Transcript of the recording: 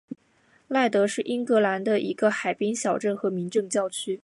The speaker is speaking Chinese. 赖德是英格兰的一个海滨小镇和民政教区。